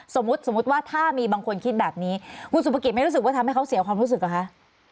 สมมุติว่าถ้ามีบางคนคิดแบบนี้คุณสุภกิจไม่รู้สึกว่าทำให้เขาเสียความรู้สึกเหรอคะ